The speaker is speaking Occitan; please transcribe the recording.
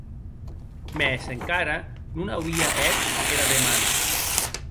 Mès encara non auie hèt era demana.